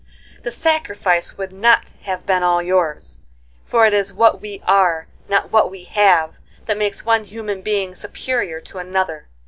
"The sacrifice would not have been all yours, for it is what we are, not what we have, that makes one human being superior to another.